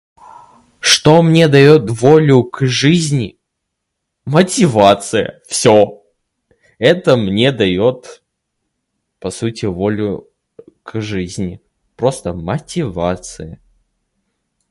Что мне даёт волю к жизни? Мотивация. Всё. Это мне даёт по сути волю [disfluency|э] к жизни. Просто мотивация.